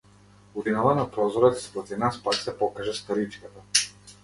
Утринава на прозорец спроти нас пак се покажа старичката.